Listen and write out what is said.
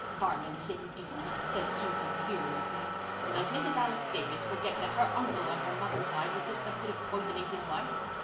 '" "Varmints, indeed!" said Susan furiously. "Does Mrs. Alec Davis forget that her uncle on her mother's side was suspected of poisoning his wife?